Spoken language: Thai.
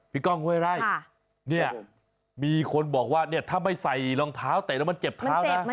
ก้องห้วยไร่เนี่ยมีคนบอกว่าเนี่ยถ้าไม่ใส่รองเท้าเตะแล้วมันเจ็บเท้านะ